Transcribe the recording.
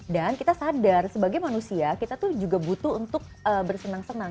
dan kita sadar sebagai manusia kita tuh juga butuh untuk bersenang senang